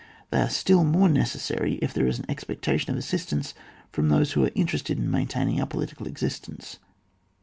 They are still more necessary if there is an expectation of assistance from those who are inte rested in maintaining our political exist ence.